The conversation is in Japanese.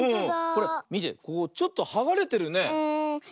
これみてここちょっとはがれてるね。